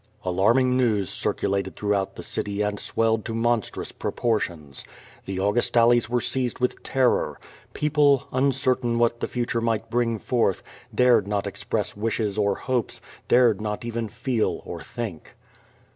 *'* Alarm ing news circulated throughout the city and swelled to mon strous proportions. The Augustales were seized with terror. People, uncertain what the future might bring forth, dared not express wishes or hopes, dared not even feel or think.